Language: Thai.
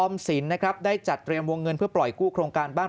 สินนะครับได้จัดเตรียมวงเงินเพื่อปล่อยกู้โครงการบ้าน